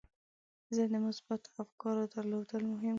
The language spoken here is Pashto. زه د مثبتو افکارو درلودل مهم ګڼم.